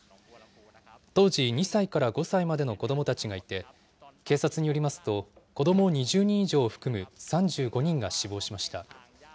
当時、２歳から５歳までの子どもたちがいて、警察によりますと、子ども２０人以上を含む３５人が死亡しました。